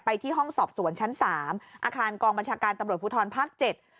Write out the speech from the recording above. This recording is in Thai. ที่ห้องสอบสวนชั้นสามอาคารกองบัญชาการตำรวจภูทรภาคเจ็ด